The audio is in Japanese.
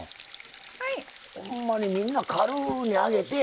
ほんまにみんな軽うに揚げて。